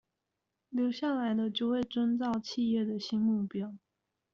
留下來的就會遵照企業的新目標